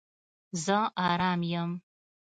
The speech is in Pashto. زه آرام یم